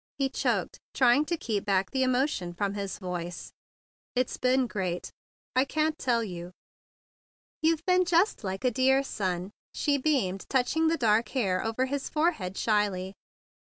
he choked, trying to keep back the emotion from his voice. "It's been great! I can't tell you!" "You've been just like a dear son," she beamed, touching the dark hair over his forehead shyly.